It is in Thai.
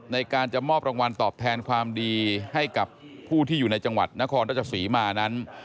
ในการจะมอบรางวัลตอบแทนความดีให้กับผู้ที่อยู่ในจังหวัดนครราชศรีมานั้น